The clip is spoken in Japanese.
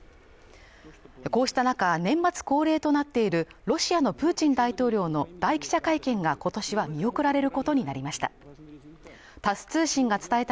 こうした中年末恒例となっているロシアのプーチン大統領の大記者会見が今年は見送られることになりました